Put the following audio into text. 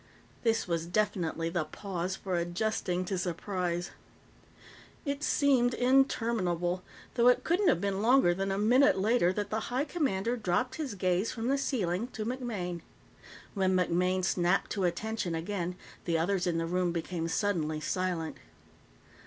This was definitely the pause for adjusting to surprise. It seemed interminable, though it couldn't have been longer than a minute later that the High Commander dropped his gaze from the ceiling to MacMaine. When MacMaine snapped to attention again, the others in the room became suddenly silent.